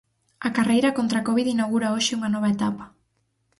A carreira contra a covid inaugura hoxe unha nova etapa.